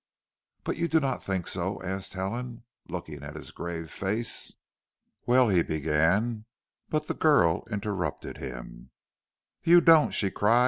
"But you do not think so?" asked Helen, looking at his grave face. "Well " he began, but the girl interrupted him. "You don't," she cried.